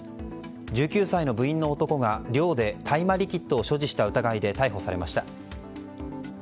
１９歳の部員の男が寮で大麻リキッドを所持した疑いで逮捕されました。